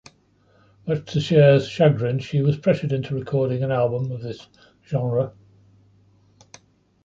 Much to Cher's chagrin, she was pressured into recording an album of this genre.